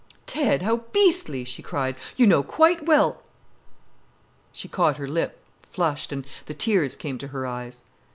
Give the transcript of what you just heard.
"Ted—how beastly!" she cried. "You know quite well——" She caught her lip, flushed, and the tears came to her eyes.